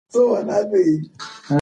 موږ ستاسو په ملاتړ ولاړ یو.